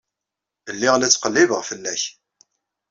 Lliɣ la ttqellibeɣ fell-ak.